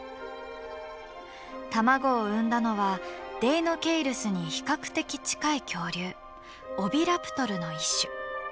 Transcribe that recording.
卵を産んだのはデイノケイルスに比較的近い恐竜オビラプトルの一種。